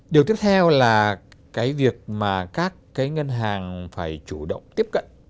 điều tiếp theo là cái việc mà các cái ngân hàng phải chủ động tiếp cận